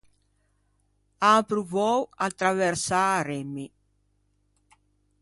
An provou à traversâ à remmi.